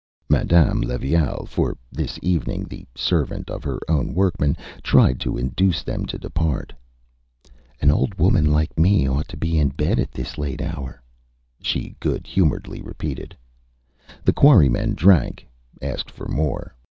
Madame Levaille, for this evening the servant of her own workmen, tried to induce them to depart. ÂAn old woman like me ought to be in bed at this late hour,Â she good humouredly repeated. The quarrymen drank, asked for more.